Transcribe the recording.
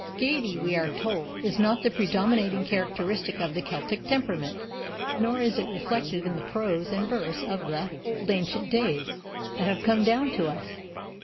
Gaiety, we are told, is not the predominating characteristic of the Celtic temperament, nor is it reflected in the prose and verse of the "old ancient days" that have come down to us.